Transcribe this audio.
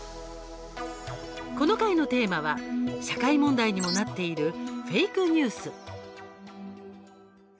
この回のテーマは社会問題にもなっているフェイクニュース。